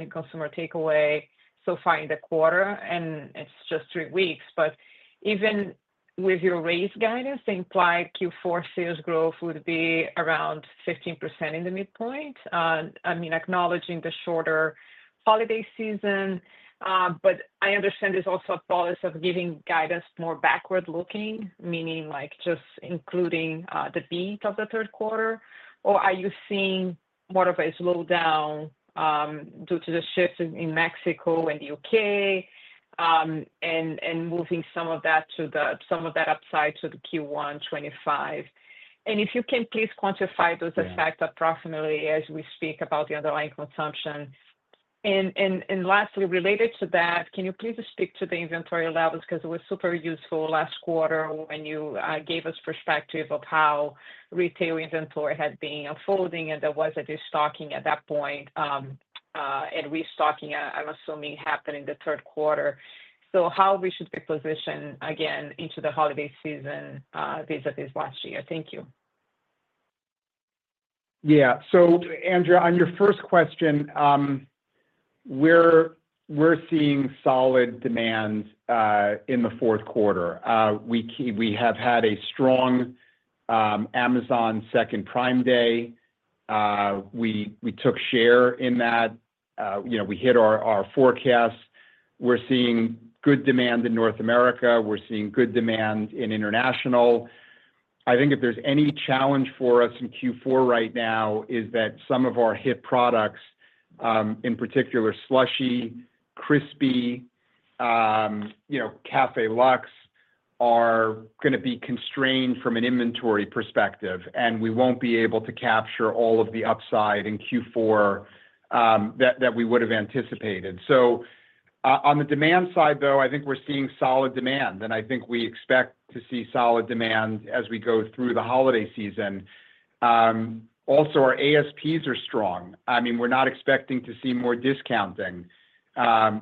in consumer takeaway so far in the quarter, and it's just three weeks. But even with your raised guidance, they implied Q4 sales growth would be around 15% in the midpoint, I mean, acknowledging the shorter holiday season. But I understand there's also a policy of giving guidance more backward-looking, meaning just including the beat of the third quarter. Or are you seeing more of a slowdown due to the shift in Mexico and the U.K. and moving some of that to the some of that upside to the Q1 2025? And if you can, please quantify those effects approximately as we speak about the underlying consumption. And lastly, related to that, can you please speak to the inventory levels? Because it was super useful last quarter when you gave us perspective of how retail inventory had been unfolding and there was a destocking at that point and restocking, I'm assuming, happening in the third quarter. So how we should be positioned again into the holiday season vis-à-vis last year. Thank you. Yeah. So, Andrea, on your first question, we're seeing solid demand in the fourth quarter. We have had a strong Amazon second Prime Day. We took share in that. We hit our forecast. We're seeing good demand in North America. We're seeing good demand in international. I think if there's any challenge for us in Q4 right now is that some of our hit products, in particular, SLUSHi, CRISPi, Luxe Café, are going to be constrained from an inventory perspective, and we won't be able to capture all of the upside in Q4 that we would have anticipated. On the demand side, though, I think we're seeing solid demand, and I think we expect to see solid demand as we go through the holiday season. Also, our ASPs are strong. I mean, we're not expecting to see more discounting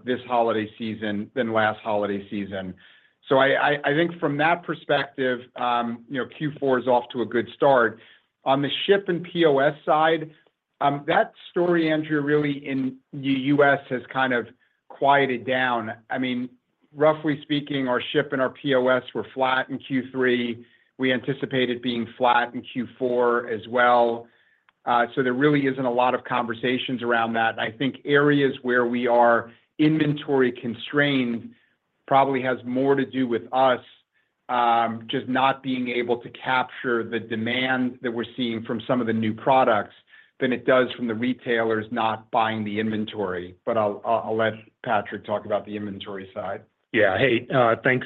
this holiday season than last holiday season. From that perspective, Q4 is off to a good start. On the ship and POS side, that story, Andrea, really in the U.S. has kind of quieted down. I mean, roughly speaking, our ship and our POS were flat in Q3. We anticipated being flat in Q4 as well. So there really isn't a lot of conversations around that. I think areas where we are inventory constrained probably has more to do with us just not being able to capture the demand that we're seeing from some of the new products than it does from the retailers not buying the inventory. But I'll let Patraic talk about the inventory side. Yeah. Hey, thanks,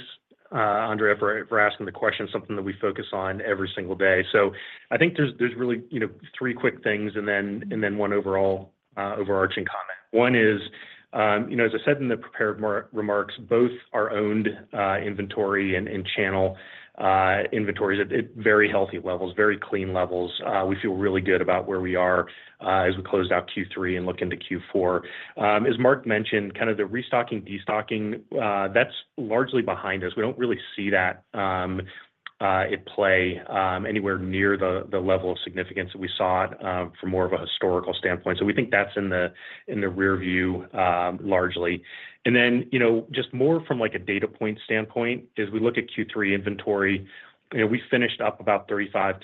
Andrea, for asking the question, something that we focus on every single day. So I think there's really three quick things and then one overarching comment. One is, as I said in the prepared remarks, both our owned inventory and channel inventory is at very healthy levels, very clean levels. We feel really good about where we are as we close out Q3 and look into Q4. As Mark mentioned, kind of the restocking, destocking, that's largely behind us. We don't really see that at play anywhere near the level of significance that we saw from more of a historical standpoint. So we think that's in the rearview largely. And then just more from a data point standpoint, as we look at Q3 inventory, we finished up about 35%-36%.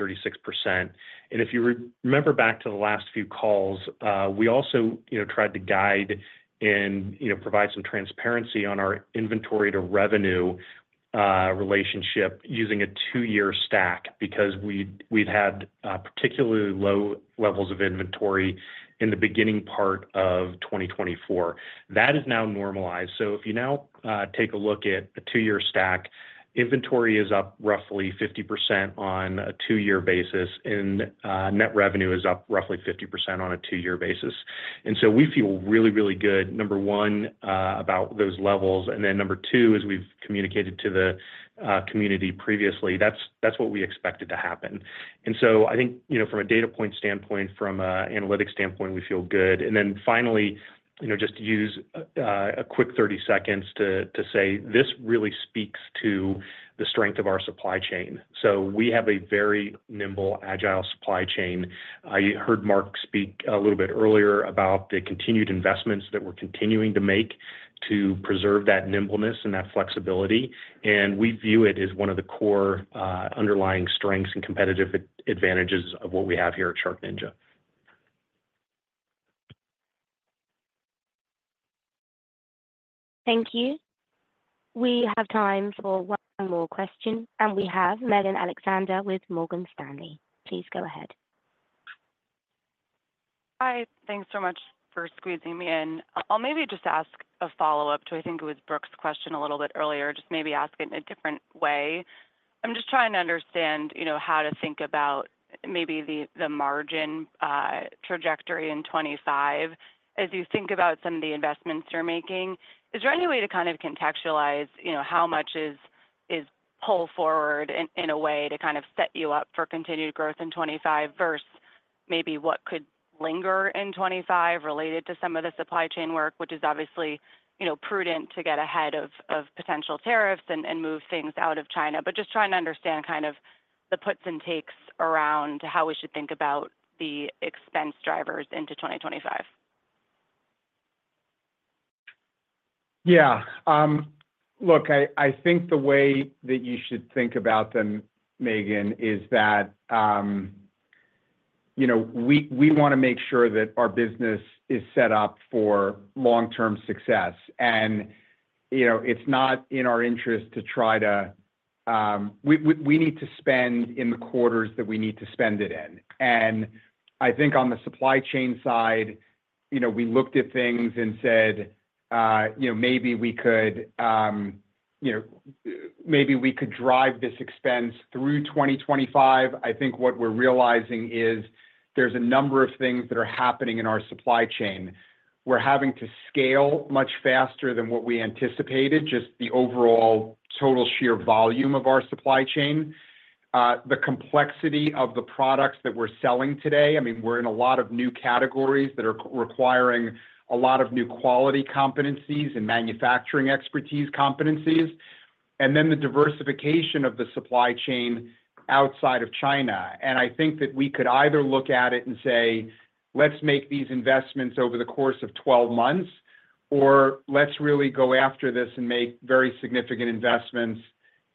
And if you remember back to the last few calls, we also tried to guide and provide some transparency on our inventory-to-revenue relationship using a two-year stack because we've had particularly low levels of inventory in the beginning part of 2024. That has now normalized. So if you now take a look at a two-year stack, inventory is up roughly 50% on a two-year basis, and net revenue is up roughly 50% on a two-year basis. And so we feel really, really good, number one, about those levels. And then number two, as we've communicated to the community previously, that's what we expected to happen. And so I think from a data point standpoint, from an analytic standpoint, we feel good. And then finally, just to use a quick 30 seconds to say this really speaks to the strength of our supply chain. So we have a very nimble, agile supply chain. You heard Mark speak a little bit earlier about the continued investments that we're continuing to make to preserve that nimbleness and that flexibility. And we view it as one of the core underlying strengths and competitive advantages of what we have here at SharkNinja. Thank you. We have time for one more question, and we have Megan Alexander with Morgan Stanley. Please go ahead. Hi. Thanks so much for squeezing me in. I'll maybe just ask a follow-up to, I think it was Brooke's question a little bit earlier, just maybe ask it in a different way. I'm just trying to understand how to think about maybe the margin trajectory in 2025 as you think about some of the investments you're making. Is there any way to kind of contextualize how much is pulled forward in a way to kind of set you up for continued growth in 2025 versus maybe what could linger in 2025 related to some of the supply chain work, which is obviously prudent to get ahead of potential tariffs and move things out of China, but just trying to understand kind of the puts and takes around how we should think about the expense drivers into 2025? Yeah. Look, I think the way that you should think about them, Megan, is that we want to make sure that our business is set up for long-term success, and it's not in our interest to try to we need to spend in the quarters that we need to spend it in. I think on the supply chain side, we looked at things and said, "Maybe we could drive this expense through 2025." I think what we're realizing is there's a number of things that are happening in our supply chain. We're having to scale much faster than what we anticipated, just the overall total sheer volume of our supply chain, the complexity of the products that we're selling today. I mean, we're in a lot of new categories that are requiring a lot of new quality competencies and manufacturing expertise, and then the diversification of the supply chain outside of China. And I think that we could either look at it and say, "Let's make these investments over the course of 12 months," or, "Let's really go after this and make very significant investments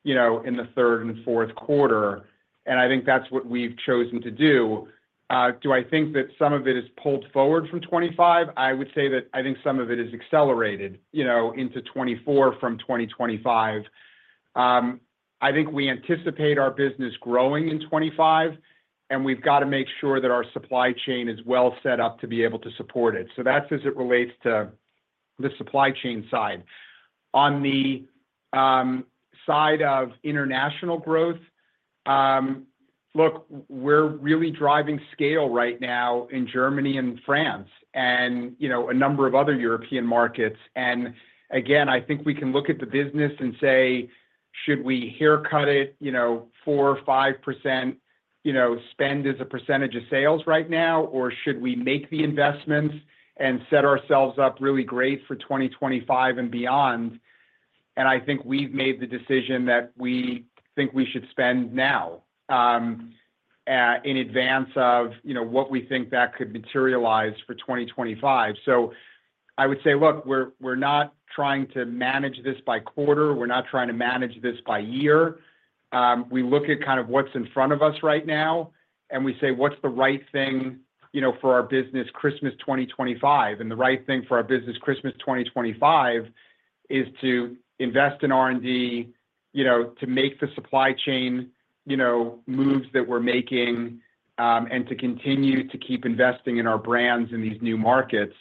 in the third and fourth quarter." And I think that's what we've chosen to do. Do I think that some of it is pulled forward from 2025? I would say that I think some of it is accelerated into 2024 from 2025. I think we anticipate our business growing in 2025, and we've got to make sure that our supply chain is well set up to be able to support it. So that's as it relates to the supply chain side. On the side of international growth, look, we're really driving scale right now in Germany and France and a number of other European markets. And again, I think we can look at the business and say, "Should we haircut it 4%-5% spend as a percentage of sales right now, or should we make the investments and set ourselves up really great for 2025 and beyond?" And I think we've made the decision that we think we should spend now in advance of what we think that could materialize for 2025. So I would say, "Look, we're not trying to manage this by quarter. We're not trying to manage this by year." We look at kind of what's in front of us right now, and we say, "What's the right thing for our business Christmas 2025?" And the right thing for our business Christmas 2025 is to invest in R&D, to make the supply chain moves that we're making, and to continue to keep investing in our brands in these new markets.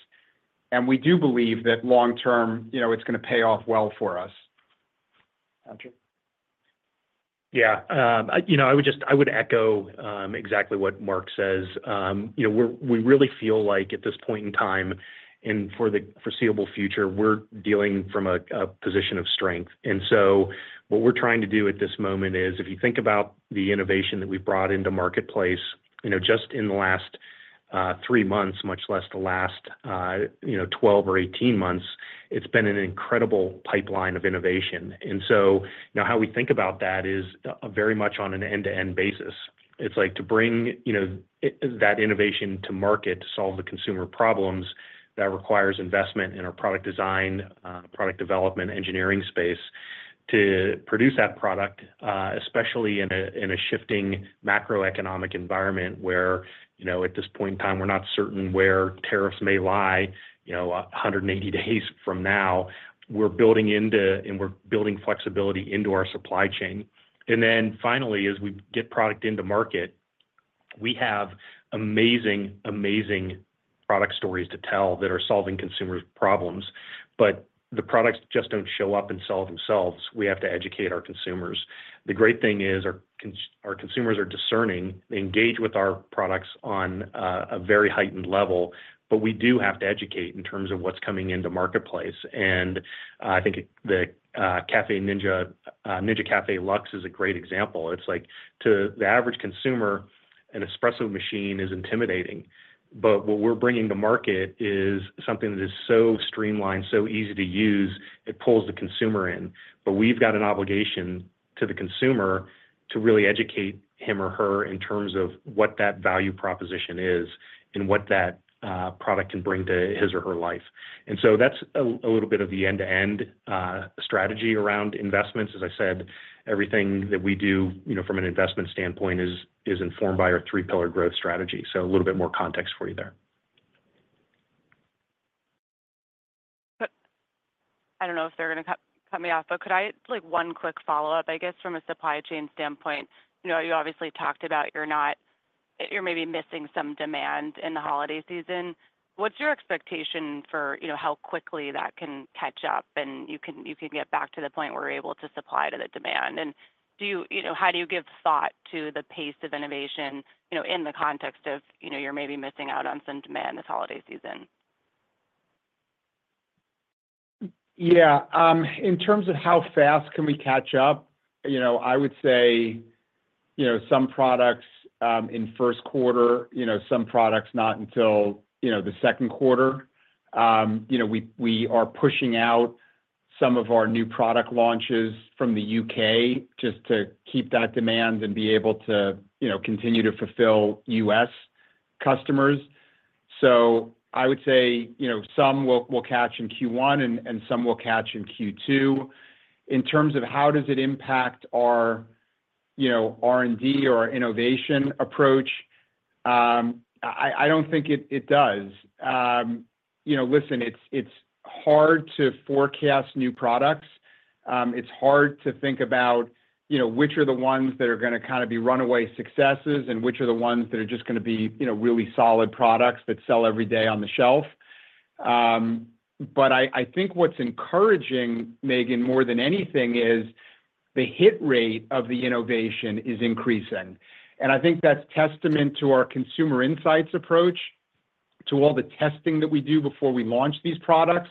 We do believe that long-term, it's going to pay off well for us. Yeah. I would echo exactly what Mark says. We really feel like at this point in time and for the foreseeable future, we're dealing from a position of strength. And so what we're trying to do at this moment is, if you think about the innovation that we've brought into marketplace just in the last three months, much less the last 12 or 18 months, it's been an incredible pipeline of innovation. And so now how we think about that is very much on an end-to-end basis. It takes to bring that innovation to market to solve the consumer problems that requires investment in our product design, product development, engineering space to produce that product, especially in a shifting macroeconomic environment where at this point in time, we're not certain where tariffs may lie 180 days from now. We're building flexibility into our supply chain. And then finally, as we get product into market, we have amazing, amazing product stories to tell that are solving consumers' problems. But the products just don't show up and sell themselves. We have to educate our consumers. The great thing is our consumers are discerning. They engage with our products on a very heightened level, but we do have to educate in terms of what's coming into marketplace. And I think the Ninja Luxe Café is a great example. It's like, to the average consumer, an espresso machine is intimidating. But what we're bringing to market is something that is so streamlined, so easy to use. It pulls the consumer in. But we've got an obligation to the consumer to really educate him or her in terms of what that value proposition is and what that product can bring to his or her life. And so that's a little bit of the end-to-end strategy around investments. As I said, everything that we do from an investment standpoint is informed by our three-pillar growth strategy. So a little bit more context for you there. I don't know if they're going to cut me off, but could I have one quick follow-up, I guess, from a supply chain standpoint? You obviously talked about you're maybe missing some demand in the holiday season. What's your expectation for how quickly that can catch up and you can get back to the point where you're able to supply to the demand? And how do you give thought to the pace of innovation in the context of you're maybe missing out on some demand this holiday season? Yeah. In terms of how fast can we catch up, I would say some products in first quarter, some products not until the second quarter. We are pushing out some of our new product launches from the U.K. just to keep that demand and be able to continue to fulfill U.S. customers. So I would say some we'll catch in Q1, and some we'll catch in Q2. In terms of how does it impact our R&D or our innovation approach, I don't think it does. Listen, it's hard to forecast new products. It's hard to think about which are the ones that are going to kind of be runaway successes and which are the ones that are just going to be really solid products that sell every day on the shelf. But I think what's encouraging, Megan, more than anything, is the hit rate of the innovation is increasing. And I think that's testament to our consumer insights approach, to all the testing that we do before we launch these products,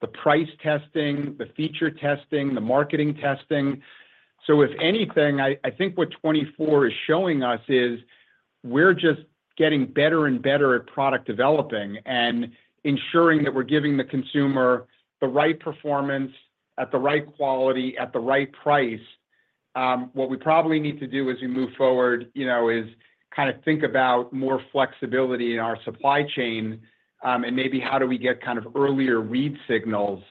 the price testing, the feature testing, the marketing testing. So if anything, I think what 2024 is showing us is we're just getting better and better at product developing and ensuring that we're giving the consumer the right performance at the right quality at the right price. What we probably need to do as we move forward is kind of think about more flexibility in our supply chain and maybe how do we get kind of earlier read signals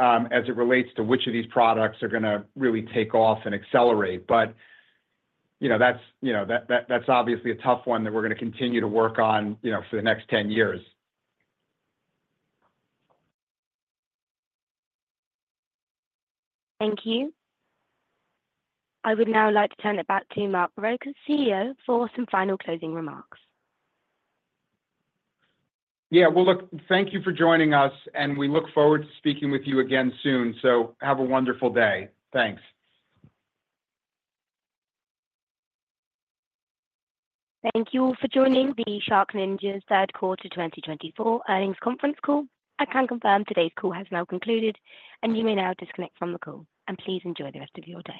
as it relates to which of these products are going to really take off and accelerate. But that's obviously a tough one that we're going to continue to work on for the next 10 years. Thank you. I would now like to turn it back to Mark Barrocas, CEO, for some final closing remarks. Yeah. Well, look, thank you for joining us, and we look forward to speaking with you again soon. So have a wonderful day. Thanks. Thank you all for joining the SharkNinja's Third Quarter 2024 Earnings Conference Call. I can confirm today's call has now concluded, and you may now disconnect from the call. And please enjoy the rest of your day.